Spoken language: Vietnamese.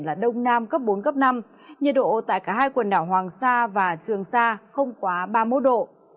gió đông nam cấp bốn cấp năm nhiệt độ tại cả hai quần đảo hoàng sa và trường sa không quá ba mươi một độ